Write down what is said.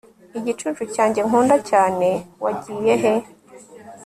igicucu cyanjye nkunda cyane wagiye he